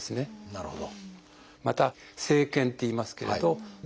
なるほど。